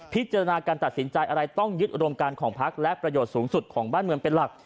พิจารณาการตัดสินใจอะไรต้องยึดอุดมการของพักและประโยชน์สูงสุดของบ้านเมืองเป็นหลัก